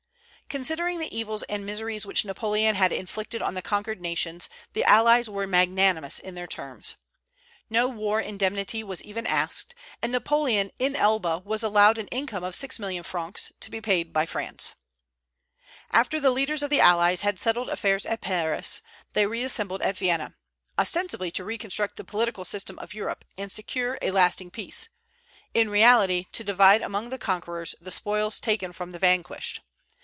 Considering the evils and miseries which Napoleon had inflicted on the conquered nations, the allies were magnanimous in their terms. No war indemnity was even asked, and Napoleon in Elba was allowed an income of six million francs, to be paid by France. After the leaders of the allies had settled affairs at Paris, they reassembled at Vienna, ostensibly to reconstruct the political system of Europe and secure a lasting peace; in reality, to divide among the conquerors the spoils taken from the vanquished.